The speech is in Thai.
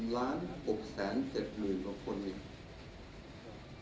๑ล้าน๖แสน๗หมื่นกว่าคนอีก